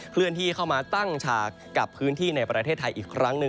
เลื่อนที่เข้ามาตั้งฉากกับพื้นที่ในประเทศไทยอีกครั้งหนึ่ง